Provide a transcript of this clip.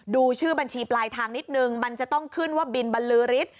ดูชื่อบัญชีปลายทางนิดนึงมันจะต้องขึ้นว่าบินบรรลือฤทธิ์